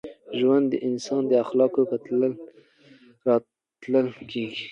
ژوند د انسان د اخلاقو په تله تلل کېږي.